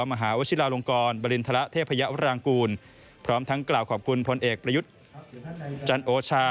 มหาวชิลาลงกรบริณฑระเทพยาวรางกูลพร้อมทั้งกล่าวขอบคุณพลเอกประยุทธ์จันโอชา